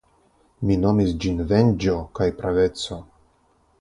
Mi nomis ĝin venĝo kaj praveco!